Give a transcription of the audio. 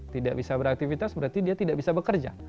tidak bisa beraktivitas berarti dia tidak bisa bekerja